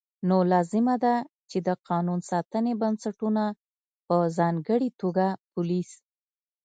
نو لازمه ده چې د قانون ساتنې بنسټونه په ځانګړې توګه پولیس